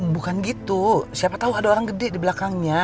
bukan gitu siapa tahu ada orang gede di belakangnya